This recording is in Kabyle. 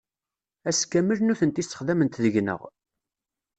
Ass kamel nutenti ssexdament deg-neɣ.